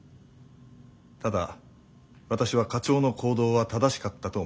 ただ私は課長の行動は正しかったと思っています。